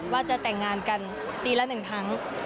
ว่าจะแต่งงานกันปีละ๑ครั้ง